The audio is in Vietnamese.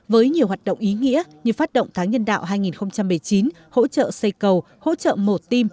với nhiều hoạt động ý nghĩa như phát động tháng nhân đạo hai nghìn một mươi chín hỗ trợ xây cầu hỗ trợ mổ tim